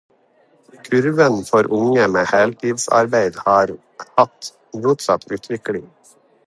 Kurven for unge med heltidsarbeid har hatt motsatt utvikling.